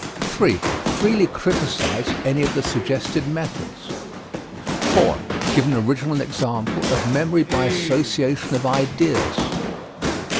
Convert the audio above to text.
3. Freely criticise any of the suggested methods. 4. Give an original example of memory by association of ideas.